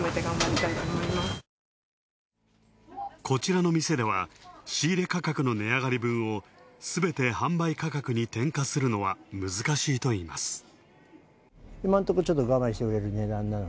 こちらの店では、仕入れ価格の値上がり分をすべて販売価格に転嫁するのは難しいといいます。